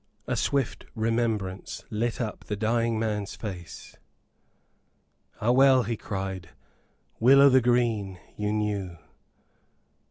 A swift remembrance lit up the dying man's face. "Ah, well," he cried, "Will o' th' Green you knew!